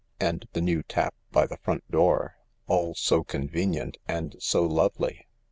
" And the new tap by the front door— all so con venient and so lovely.